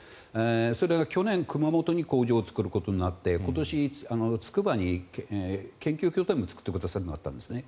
それが去年熊本に工場を作ることになって今年、つくばに研究拠点も作ってくださることになったんですね。